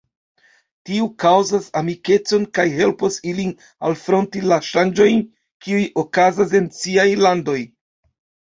Tio kaŭzas amikecon kaj helpos ilin alfronti la ŝanĝojn, kiuj okazas en siaj landoj.